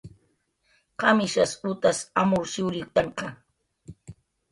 ¿Qamishas utas amurshuyriwktanqa?